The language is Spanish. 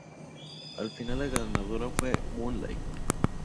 Al final la ganadora fue "Moonlight".